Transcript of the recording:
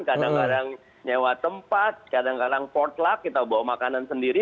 kadang kadang nyewa tempat kadang kadang port luck kita bawa makanan sendiri